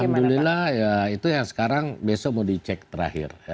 alhamdulillah ya itu yang sekarang besok mau dicek terakhir